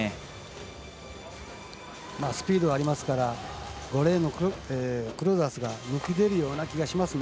スピードがありますから５レーンのクロザースが抜き出るような気がしますね